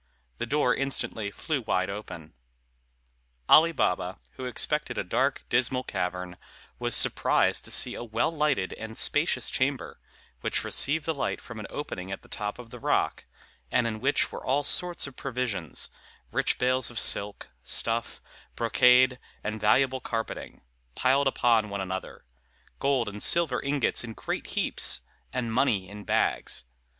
The door instantly flew wide open. Ali Baba, who expected a dark, dismal cavern, was surprised to see a well lighted and spacious chamber, which received the light from an opening at the top of the rock, and in which were all sorts of provisions, rich bales of silk, stuff, brocade, and valuable carpeting, piled upon one another, gold and silver ingots in great heaps, and money in bags.